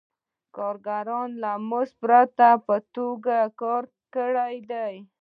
کارګرانو له مزد پرته په توکو کار کړی دی